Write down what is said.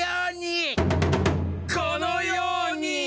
このように！